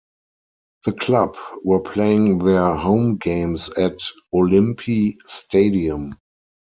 The club were playing their home games at Olimpi Stadium.